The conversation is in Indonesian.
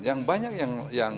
yang banyak yang lain